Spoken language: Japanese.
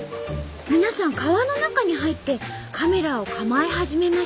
皆さん川の中に入ってカメラを構え始めました。